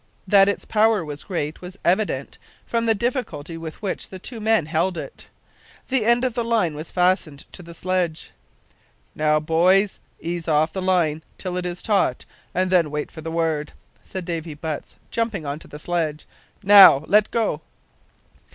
That its power was great was evident from the difficulty with which the two men held it. The end of the line was fastened to the sledge. "Now, boys, ease off line till it is taut, and then wait for the word," said Davy Butts, jumping on to the sledge. "Now! Let go!"